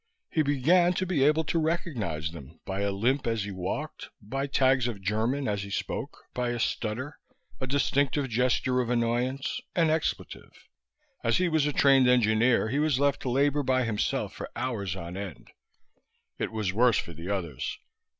He began to be able to recognize them by a limp as he walked, by tags of German as he spoke, by a stutter, a distinctive gesture of annoyance, an expletive. As he was a trained engineer he was left to labor by himself for hours on end. It was worse for the others.